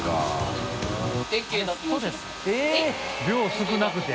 繊量が少なくて？